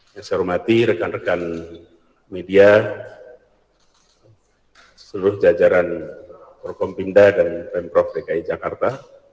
yang saya hormati rekan rekan media seluruh jajaran prokompinda dan pemprov dki jakarta